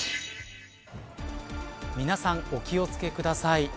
皆さん、お気を付けください。